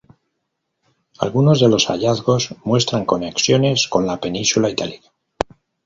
Algunos de los hallazgos muestran conexiones con la península itálica.